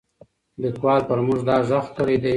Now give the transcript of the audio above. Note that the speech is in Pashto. لیکوال پر موږ دا غږ کړی دی.